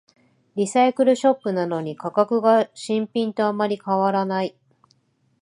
リサイクルショップなのに価格が新品とあまり変わらない